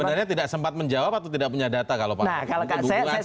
sebenarnya tidak sempat menjawab atau tidak punya data kalau pak